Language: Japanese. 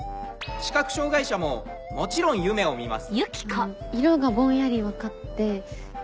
視覚障がい者ももちろん夢を見ます。